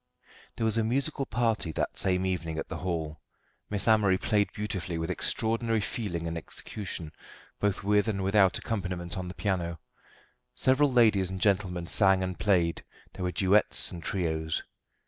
There was a musical party that same evening at the Hall. Miss Amory played beautifully, with extraordinary feeling and execution, both with and without accompaniment on the piano. Several ladies and gentlemen sang and played; there were duets and trios.